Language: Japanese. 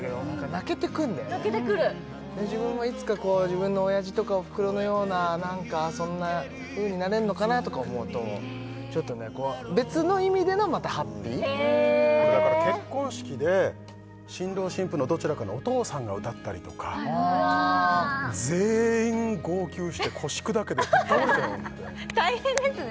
泣けてくる自分もいつかこう自分の親父とかお袋のような何かそんなふうになれんのかなとか思うとちょっとねこう別の意味でのまたハッピーへえだから結婚式で新郎新婦のどちらかのお父さんが歌ったりとかああ全員号泣して腰砕けでぶっ倒れたわホントに大変ですね